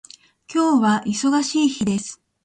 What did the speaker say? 今日は忙しい日です。